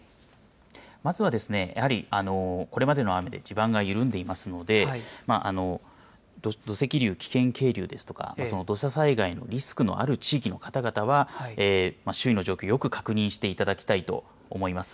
まずはやはり、これまでの雨で地盤が緩んでいますので、土石流危険渓流ですとか、その土砂災害のリスクのある方々は、周囲の状況よく確認していただきたいと思います。